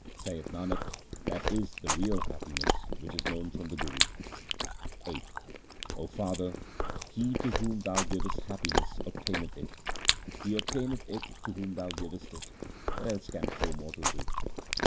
Saith Nanak, that is the real happiness which is known from the Guru. VIII 0 Father, he to whom Thou givest happiness obtaineth it ; He obtaineth it to whom Thou givest it ; what else can poor mortal do